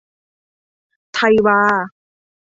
ไทยวา